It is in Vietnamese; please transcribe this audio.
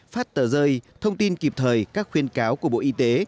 phát tờ rơi thông tin kịp thời các khuyên cáo của bộ y tế